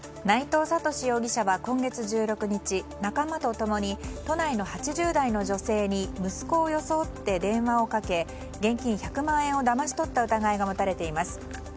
内藤智史容疑者は今月１６日仲間と共に都内の８０代の女性に息子を装って電話をかけ現金１００万円をだまし取った疑いが持たれています。